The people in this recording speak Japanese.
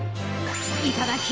いただき！